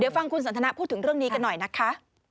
ฟังคุณสันทนาพูดถึงเรื่องนี้กันหน่อยนะคะ